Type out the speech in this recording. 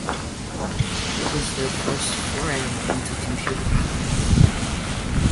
It was their first foray into computer graphics.